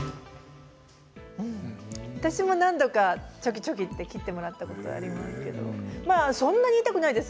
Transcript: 私も何度かチョキチョキ切ってもらったことありますけどそんなに痛くないです。